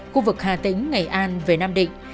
khu vực hà tĩnh ngày an về nam định